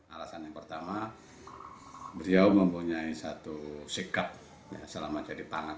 alasan yang pertama beliau mempunyai satu sikap selama jadi pangan